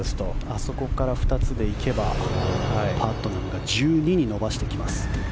あそこから２つで行けばパットナムが１２に伸ばしてきます。